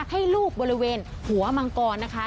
ให้ลูกบริเวณหัวมังกรนะคะ